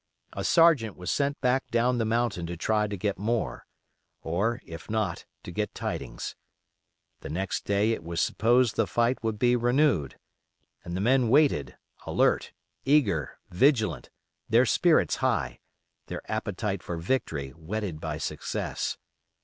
A sergeant was sent back down the mountain to try to get more, or, if not, to get tidings. The next day it was supposed the fight would be renewed; and the men waited, alert, eager, vigilant, their spirits high, their appetite for victory whetted by success.